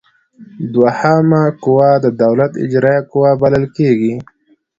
دوهمه قوه د دولت اجراییه قوه بلل کیږي.